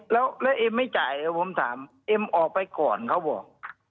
แล้วเอ็มไม่จ่ายแล้วผมถามเอ็มออกไปก่อนเขาบอก